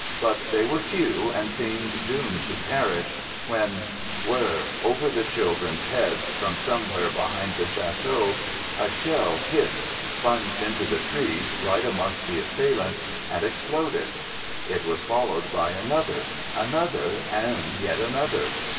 But they were few and seemed doomed to perish when—— Whirr rh! Over the children's heads, from somewhere behind the château, a shell hissed, plunged into the trees right amongst the assailants, and exploded. It was followed by another, another, and yet another.